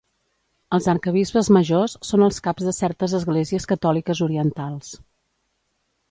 Els Arquebisbes majors són els caps de certes Esglésies Catòliques Orientals.